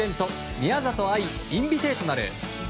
宮里藍インビテーショナル。